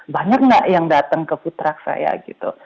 banyak nggak yang datang ke food truck saya gitu